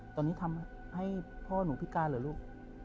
ตอนนี้ทำให้พ่อหนูพิการเหรอลูก